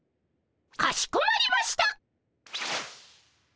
かしこまりました。